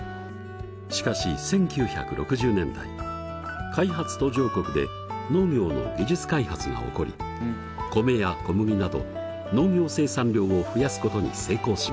しかし１９６０年代開発途上国で農業の技術開発が起こり米や小麦など農業生産量を増やすことに成功しました。